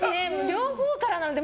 両方からなんで。